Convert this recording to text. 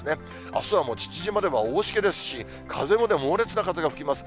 あすはもう父島では大しけですし、風も猛烈な風が吹きます。